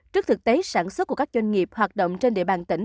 trước thực tế sản xuất của các doanh nghiệp hoạt động trên địa bàn tỉnh